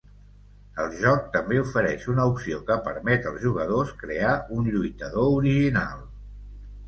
El joc també ofereix una opció que permet als jugadors crear un lluitador original.